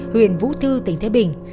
huyền vũ thư tỉnh thế bình